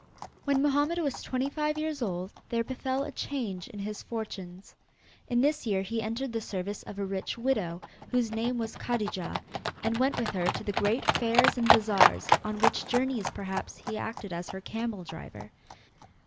When Mohammed was twenty five years old there befell a change in his fortunes. In this year he entered the service of a rich widow, whose name was Kadijah, and went with her to the great fairs and bazaars on which journeys, perhaps, he acted as her camel driver.